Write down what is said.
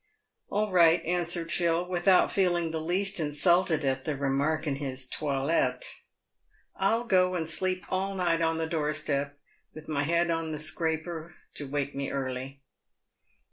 All right," answered Phil, without feeling the least insulted at the remark in his toilette ;" I'll go and sleep all night on the door step, with my head on the scraper to wake me early."